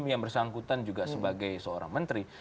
yang bersangkutan juga sebagai seorang menteri